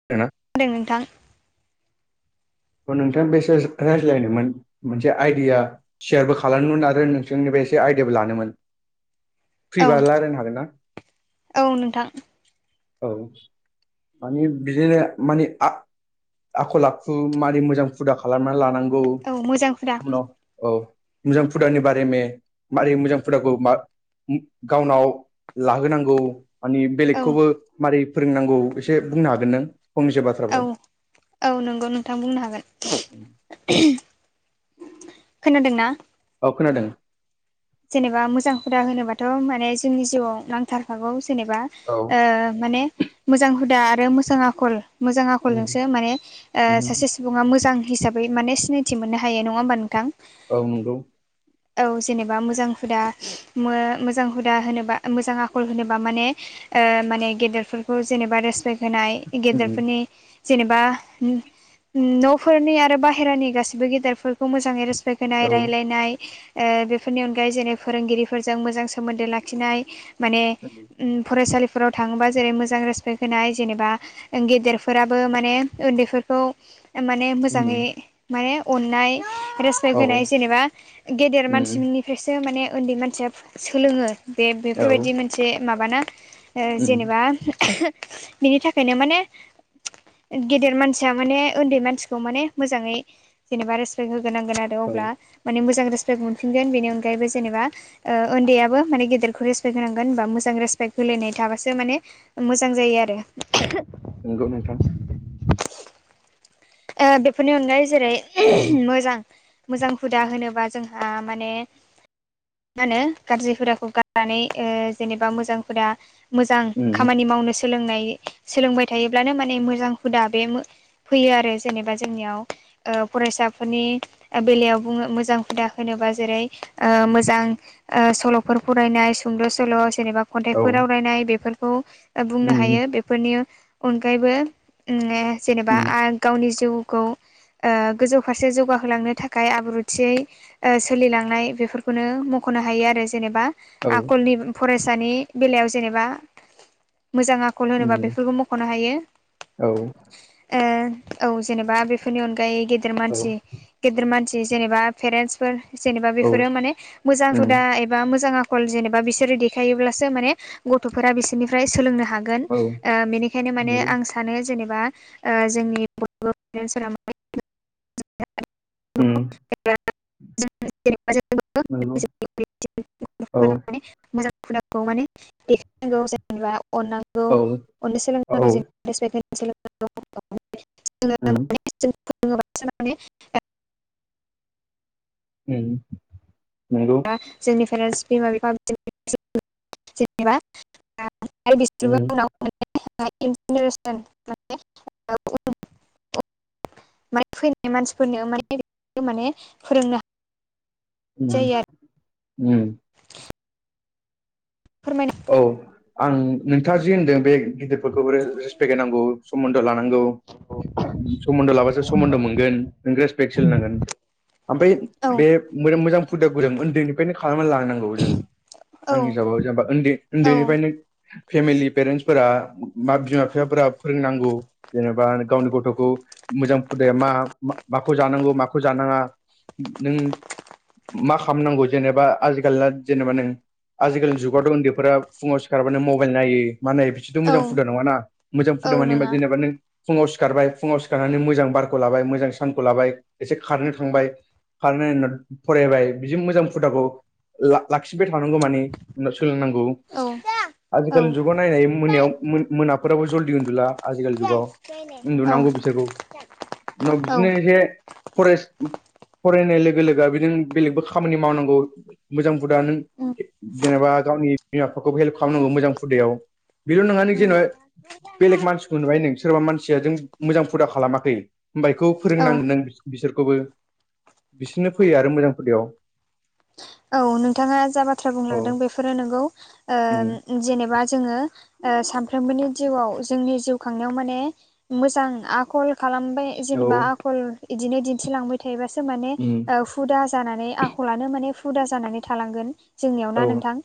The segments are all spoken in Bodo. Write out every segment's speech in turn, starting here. [unintelligible] मा होनदों नोंथां नोंथां बेसेस रायज्लायनोमोन मोनसे आइडिया शेयारबो खालामोमोन आरो नोंसोरनिफ्राय एसे आइडियाबो लानोमोन। औ फ्रिबा लारायनो हागोन ना? औ नोंथां औ माने बिदिनो माने आक आखल आखु मारै मोजां हुदा खालामनानै लानांगौ औ मोजां हुदा उनाव औ मोजां हुदानि बारे मे मारै मोजां हुदाखौ मा उम गावनाव लाहोनांगौ माने औ बेलेगखौबो मारै फोरोंनांगौ एसे बुंनो हागोन नों फंनैसो औ बाथ्राफोर? औ नोंगौ नोंथां बुंनो हागोन [unintelligible] खोनादोंना? औ खोनादों। जेनेबा मोजां हुदा होनोबाथ' माने जोंनि जिउआव नांथारखागौ जेनेबा औ ओ माने मोजां हुदा आरो मोजां आखल मोजां उम, आखलजोंसो माने ओ उम, सासे सुबुङा मोजां हिसाबै माने सिनायथि मोननो हायो नङा होमबा नोंथां। औ नोंगौ। औ जेनेब बा मोजां हुदा मो मोजां हुदा होनोबा मोजां आखल होनोबा माने ओ माने गेदेरफोरखौ जेनेबा रेसपेक्ट होनाय उम, गेदेरफोरनि जेनेबा उम उमन'फोरनि आरो बाहेरानि गासिबो गेदेरफोरखौ मोजाङै रेस [unintelligible] औ रायलायनाय ओ बेफ फोरनि अनगायै जेरै फोरोंगिरिफोरजों मोजां सोमोन्दो लाखिनाय माने उम फरायसालि फोराव थाङोबा जेरै मोजां रेसपेक्ट होनाय जेनेबा ओ गेदेरफोराबो माने उन्दैफोरखौ माने उम, मोजाङै माने अननाय रेसपेक्ट औ होनाय जेनेबा गेदेर मानसि उम निफ्रायसो माने उन्दै मानसिया फो सोलोङो बे औ बेफोरबायदि मोनसे माबाना ओ उम जेनेबा [unintelligible] बिनि थाखायनो माने गेदेर मानसिया माने ओन्दै मानसिखौ माने मोजाङै जेनेबा रेसपेक्ट होग्रोनांगोन आरो ओ औ अब्ला माने मोजां रेसपेक्ट मोनफिनगोन बेनि अनगायैबो जेनेबा ओ ओन्दैयाबो माने गेदेरखौ रेसपेक्ट होनांगोन बा मोजां रेसपेक्ट होलायनाय थाबासो माने मोजां जायो आरो [unintelligible] नोंगौ नोंथां। ओ बेफोरनि अनगायै जेरै औ [unintelligible] मोजां मोजां हुदा होनोबा जोंहा माने मा होनो गाज्रिहुदाखौ गारनानै ओ जेनेबा मोजांहुदा मोजां उम खामानि मावनोसो सोलोंनाय सोलोंबाय थायोब्लानो माने मोजां हुदा बे मो फैयो आरो जेनेबा जोंनियाव ओ फरायसाफोरनि बेलायाव बुङो मोजां हुदा होनोबा जेरै ओ मोजां ओ सल'फोर फरायनाय सुंद' सल' जेनेबा औ खन्थाइफोर आवरायनाय बेफोरखौ ओ बुंनो उम हायो बे बे फोरनि अनगायैबो उम ने जेनेबा उम गावनि जिउखौ ओ गोजौ फारसे जौगाहोलांनो थाखाय आब्रुथियै ओ सोलिलांनाय बेफोरखौनो मख'नो हायो आरो जेनेबा। औ आखलनि फरायसानि बेलायाव जेनेबा मोजां आख कल होनोबा उम बेफोरखौ मख'नो हायो औ ओ औ जेनेबा बेफोरनि अनगायै गेदेर औ मानसि गेदेर मानसि जेनेबा फेरेन्टसफोर जेनेबा औ बेफोरो माने मोजां उम हुदा एब बा मोजां आखल जेनेबा बिसोरो देखायोब्लासो माने गथ'फोरा बिसोरनिफ्राय सोलोंनो हाग गोन औ बिनिखायनो माने नंगौ आं सानो जेनेबा जोंनि उम नंगौ औ [unintelligible] [unintelligible] मोजां खुदाखौ माने देखायनांगौ जेनेबा अननांगौ औ अननो औ सोलोंनांगौ जेन उम [unintelligible] औ नोंगौ जोंनि पेरेन्टस बिमा बिफा उम [unintelligible] [unintelligible] उनाव [unintelligible] माने फैनाय मानसिफोरनो माने माने फोरोंनो हा ओम ओम फोरमाय औ आं नोंथाङा जि होन्दों बे गिदिरफोरखौबो रेसपेक्ट होनांगौ सोमोन्दो लानांगौ। नोंगौ सोमोन्दो लाबासो समोन्दो मोनगोन नों रेसपेक्ट सोलोनांगोन। ओमफ्राय औ बे मोजां हुदाखौ जों उन्दैनिफ्रायनो खालामनानै लानांगौ जों औ आं हिसाबाव जेनेबा उन्दै औ उन्दैनिफ्रायनो फेमिलि पेरेन्टसफोरा बिमा बिफाफोरा फोरोंनांगौ जेनेबा गावनि गथ'खौ मोजां हुदाया मा माखौ जानांगौ माखौ जानाङा नों मा खालामनांगौ जेनेबा आजिखालना जेनेबा नों आजिखालिनि जुग गथ' उन्दैफोरा फुङाव सिखारबानो मबाइल नायो मा नाम बिसथ औ मोजां हुदा नङा ना मोजां औ फुदा माने होनबा नङा जेनेबा नों फुङाव सिखारबाय फुङाव सिखारनानै मोजां बारखौ लाबाय मोजां सानखौ लाबाय एसे खारनो थांबाय खारनाय फरायबाय बिदि मोजां हुदाखौ लाखिबाय थानांगौ मानि सोलोंनांगौ औ औ आजिखालि जुगाव नायनाय मोनायाव मोनाफोराबो जल्दि उन्दुला आजिखालि जुगाव औ उन्दुनांगौ बिसोरखौ उनाव औ बिदिनो एसे [unintelligible] फरायनाय लोगो लोगो बि ननो बेलेगबो खामानि मावनांगौ मोजां हुदा नों उम जेनेबा गावनि बिमा बिफाखौ हेल्प खालामनांगौ मोजां हुदायाव बेल' नङा उम जेनेबा बेलेग मानसिखौ नुबाय नों सोरबा मानसिया जों मोजां फुदा खालामाखै होमबा इखौ औ फोरोंनांगोन नों बिसोरखौबो बिसोरनो फैयो आरो मोजां हुदायाव औ नोंथाङा जा बाथ्रा औ बुंलांदों बेफोरो नोंगौ उम ओ जेनेबा जोंङो सानफ्रोमबोनि जिउआव जोंनि जिउ खांनायाव माने मोजां आखल खालामबाय औ जेनेबा आखल बिदिनो दिन्थिलांबाय थायोबासो माने उम हुदा जानानै आखलानो माने हुदा जानानै थालांगोन जोंनियाव ना औ नोंथां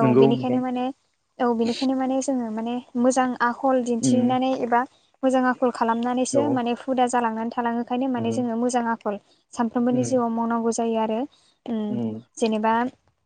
औ नंगौ नोंथां बेनिखायनो माने औ बेनिखायनो माने जोंङो माने मोजां आखल उम दिन्थिनानै एबा मोजां आखल औ खालामनानैसो माने हुदा जालांनानै थालाङो ओंखायनो माने उम जोङो मोजां आखल सानफ्रोमबोनि उम जिउआव मावनांगौ जायो आरो ओम उम जेनेबा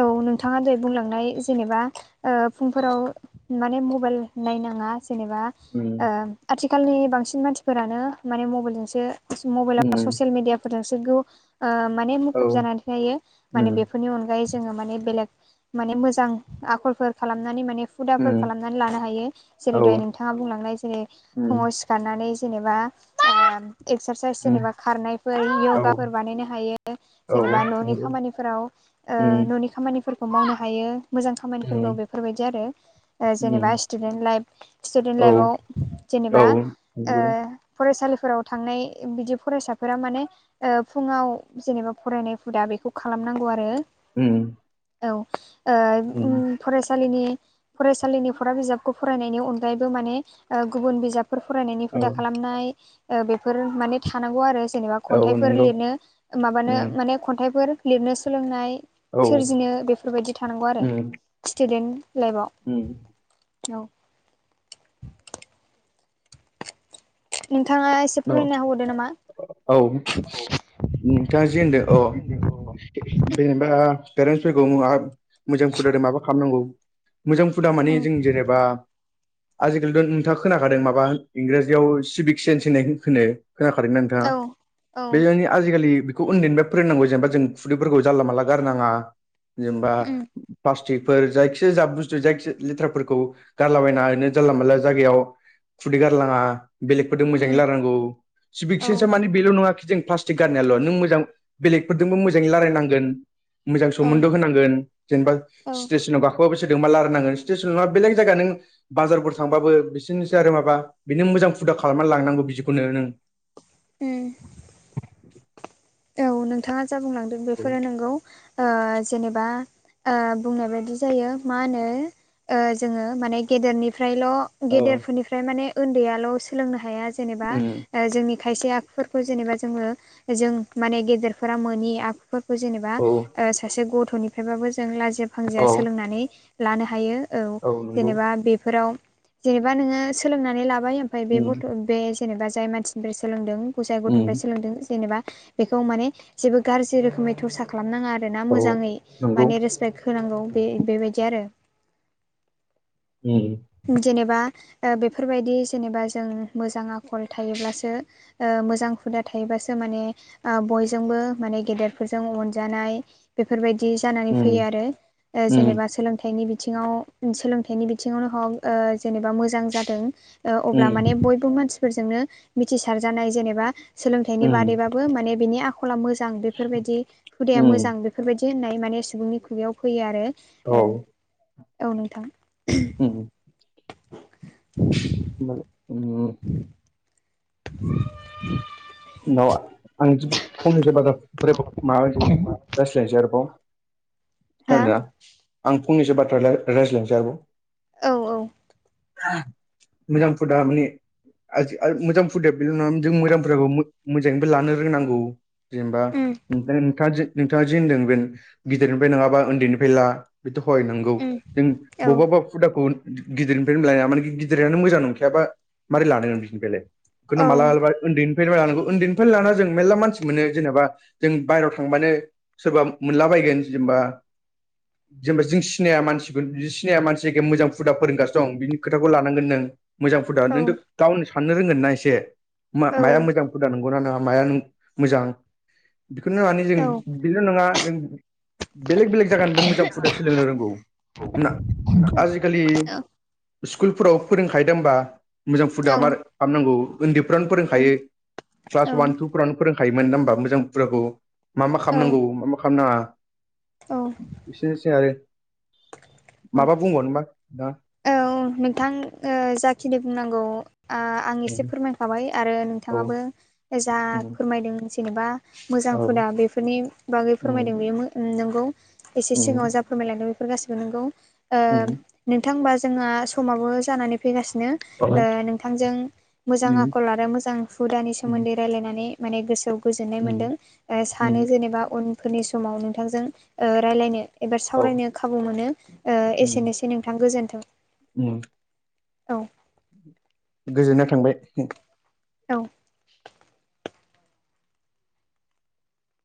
औ नोंथाङा दहाय बुंलांनाय जेनेबा फुंफोराव माने मबाइल नायनाङा जेनेबा ओम ओ आथिखालनि बांसिन मानसिफोरानो माने मबाइल जोंसो मबाइलाव उम ससेल मिडिया फोरजोंसो गु औ मुखुब जानानै थयो माने उम बेफोरनि अनगायै जोंङो माने बेलेग माने मोजां आखलफोर खालामनानै माने हुदाफोर उम खालामनानै लानो हायो औ जेरै दहाय नोंथाङा बुंलांनाय जेरै उम फुङाव दानानै जेनेबा एक्सारसाइस उम जेनेबा खारनायफोर औ य'गाफोर बानायनो हायो औ जेनेबा न'नि नंगौ खामानिफोर फोराव ओ उम न'नि खामानिफोरखौ मावनो हायो मोजां खामानिफोरखौ उम बेफोरबायदि आरो जेनेबा उम स्टुदेन्ट लाइफ स्टुदेन्ट औ लाइफआव औ जेनेबा ओ नंगौ फरायसालिफोराव थांनाय बिदि फरायसाफोरा माने फुङाव जेनेबा फरायनाय फुदा बेखौ खालामनांगौ आरो [unintelligible] औ ओ उम ओम फरायसालिनि फरायसालिनि फरा बिजाबखौ फरायनायनि अनगायैबो माने गुबुन ओ बिजाब बे फोर फरायनायनि औ हुदा खालामनाय ओ बेफोर माने थानांगौ आरो। जेनेबा औ खन्थाइफोर नंगौ लिरनो माबानो उम माने खन्थाइफोर लिरनो सोलोंनाय औ सोरजिनो बेफोरबायदि थानांगौ आरो स्टुदेन्ट लाइफआव। औ औ नोंथाङा एसे औ फोरमायना होबावदो नामा। औ नोंथाङा जि होनदों औ। जेनेबा पेरेन्सफोरखौ मा मोजां फुद माबा खालामनांगौ मोजां हुदा माने जों जेनेबा आजिखालिथ' नोंथाङा खोनाखादों माबा इंराजियाव सिभिक सेन्स होननाय खो खोनाखादोंना नोंथाङा औ औ बे [unintelligible] आजिखालि बेखौ उन्दैनिफ्राय फोरोंनांगौ जेनेबा जों खुदैफोरखौ जानला मानला गारनाङा। जेनेबा उम प्लास्टिकफोर जायखिजाया जा बुस्थु जायखिया लेथ्राफोरखौ गारलाबायनाङा ओरैनो जानला मानला जायगायाव। खुदै गारलाङा बेलेगफोरजों मोजाङै उम रायनांगौ औ सिभिकसेन्सा माने बेल' नङाखि जों प्लास्टिक गारनायाल' नों मोजां बेलेगफोरजोंबो मोजाङै रालायनांगोन मोजां सोमोन्द' औ होनांगोन जेनेबा स्टेसनाव गा गब बेसे दोंबा रालाय नांगोन स्टेसनाव बेलेग जायगा नों बाजारफोर थांबाबो बिसोरनोसै आरो माबा बिनो मोजां फुदा खालामनानै लांनांगौ बिदिखौनो नों। उम औ नोंथाङा जा बुंलांदों बेफोरो नोंगौ ओ जेनेबा ओ बुंनाय बायदि जायो मा होनो ओ जोङो माने गेदेरनिफ्रायल' औ गेदेरफोरनिफ्राय माने उन्दैयाल' सोलोंनो हाया जेनेबा उम ओ जोंनि खायसे आखुफोरखौ जेनेबा जोङो जों माने गेदेरफोरा मोनि आ खुफोरखौ जेनेबा औ ओ सासे गथ'निफ्रायबाबो जों लाजिया औ फांजिया सोलोंनानै लानो हायो औ जेनेबा बेफोराव जेनेबा नोङो सोलोंनानै लाबाय ओमफ्राय बे उम गथ' बे जेनेबा जाय मानसिनिफ्राय सोलोंदों जाय गथ'निफ्राय उम सोलोंदों जेनेबा बेखौ माने जेबो गाज्रि रोखोमै थरसा खालामनाङा आर ना औ मोजाङै नंगौ माने रेसपेक्ट होनांगौ बे बेबायदि आरो। उम उम जेनेबा ओ बेफोरबायदि जेनेबा जों मोजां आखल थायोब्लासो ओ मोजां हुदा थायोबासो माने ओ बयजोंबो माने गेदेरफोरजों अनजानाय बेफोरबायदि जानानै उम फैयो आरो ओ उम जेनेबा सोलोंथाइनि बिथिङाव सोलोंथाइनि बिथिङावनो हग ओ जेनेबा मोजां जादों ओ अब्ला माने उम बयबो मानसि फोरोंनो मिसार जानाय जेनेबा सोलोंथनि उम बादैबाबो माने बिनि आ खला मोजां बेफोरबायदि हुदाया मोजां उम बेफोरबायदि होननाय माने सुबुंनि खुगायाव फैयो आरो। औ ए औ नोंथां। औ। [inaudible] [unintelligible] [inaudible] [unintelligible] उनाव आं फंनैसो बा बोरै माबानसै जास्लायनोसै आरोबाव। हा आर‌दा आं फंनसो बाथ्रा रा रायज्लायनोसै आरोबाव। औ औ। मोजां फुदा माने आजि मोजां फुदाया बेदि नङामोन जों मोजां फुदाखौ मो मोजाङैबो लानो रोंनांगौ जेनेबा उम ओंखायनो नोंथाङा जे नोंथाङा जे होनदों बे गिदिरनिफ्राय नङाबा उन्दैनिफ्राय ला बेथ हय नांगौ उम जों औ बबाबबा हुदाखौ गिदिरनिफ्रायनो लाया माने गिदिरानो मोजां नंखायाबा मारै लानो नों बिसिनिफ्रायलाय ओंखायनो औ मालाबा ओन्दैनिफायबो लानांगौ। उन्दैनिफ्राय लाना जों मेर्ला मानसि मोनो जेनेबा जों बाहेरायाव थांबानो सोरबा मोनलाबायगोन जेनबा जेनेबा जों सिनाया मानसिखौ सिनाया मानसि एख मोजां हुदा फोरोंगासिनो दं बिनि खोथाखौ लानांगोन नों। मोजां फुदा औ नोंथ' गावनो साननो रोंगोन ना एसे औ मा-माया मोजां हुदा नंगौना नङा माया मोजां बेखौनो माने जों औ बेल' नङा जों बेलेग बेलेग जायगानिफ्राय मोजां हुदा सोलोंनो रोंगौ आजिखालि स्कुलफोराव फोरोंखायो दा होबा मोजां औ हुदा मारै खालामनांगौ उन्दैफ्रावनो फोरोंखायो। क्लास अवान टु फोरावनो फोरोंखायोमोन नङा होमबा मोजां हुदाखौ मा मा औ खालामनांगौ मा मा खालामनाङा औ बिसेनोसै आरो औ माबा बुंबावनोबा नोंथाङा। औ नोंथां ओ जाखिनि बुंनांगौ आ आं एसे फोरमायखाबाय आरो नोंथाङाबो जा औ फोरमायदों जेनेबा मोजां औ हुदा बेफोरनि बागै उम फोरमायदों बेयो नोंगौ एसे सिगाङाव उम जा फोरमायलायदों बेफोर गासिबो नंगौ ओ उम नोंथां होमबा जोंहा समाबो जानानै फैगासिनो औ ओ नोंथांजों मोजां उम आखल आरो मोजां हुदानि उम सोमोन्दै रायलायनानै माने गोसोआव गोजोन्नाय उम मोन्दों ओ सानो उम जेनेबा उन फोरनि समाव नोंथां रायायनो एबा औ सावरायनो खाबु मोनो ओ उम एसेनोसै नों थां गोजोनथों। उम औ गोजोननाय थांबाय। औ